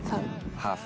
ハーフ。